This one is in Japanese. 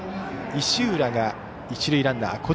石浦が一塁ランナー。